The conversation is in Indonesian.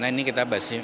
nah ini kita basi